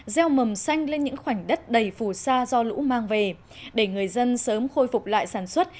gieo mầm xanh lên những khoảnh đất đầy phù sa do lũ mang về để người dân sớm khôi phục lại sản xuất